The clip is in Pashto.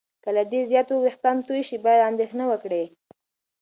که له دې زیات وېښتان تویې شي، باید اندېښنه وکړې.